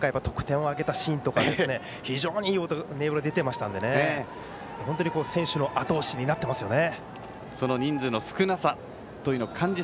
初回、３回得点を挙げたシーンとか非常にいい音色が出ていましたので本当に選手のあと押しになっていますね。